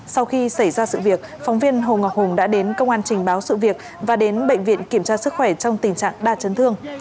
sau khi xảy ra sự việc phóng viên hồ ngọc hùng đã đến công an trình báo sự việc và đến bệnh viện kiểm tra sức khỏe trong tình trạng đa chấn thương